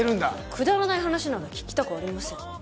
くだらない話なら聞きたくありません。